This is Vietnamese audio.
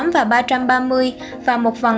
và ba trăm ba mươi và một vòng